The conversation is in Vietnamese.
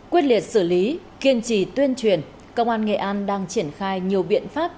quyết liệt xử lý kiên trì tuyên truyền công an nghệ an đang triển khai nhiều biện pháp